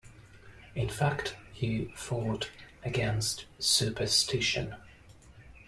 In fact he fought against superstition.